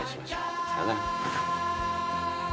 さようなら。